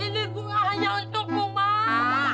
ini bunga hanya untukmu mak